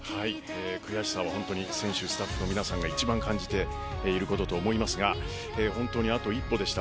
悔しさは、本当に選手スタッフの皆さんが一番感じていることと思いますが本当にあと一歩でした。